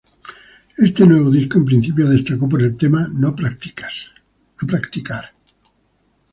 Este nuevo disco en principio destacó por el tema "No practicar".